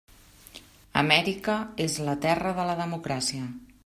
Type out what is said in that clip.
Amèrica és la terra de la democràcia.